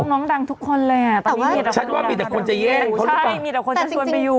น้องดังทุกคนแหละตอนนี้นาดาวแบบนี้อยู่ใช่มีแต่คนจะส่วนไปอยู่